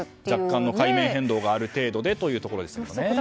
若干の海面変動がある程度あるということですよね。